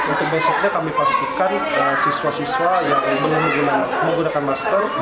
untuk besoknya kami pastikan siswa siswa yang menggunakan masker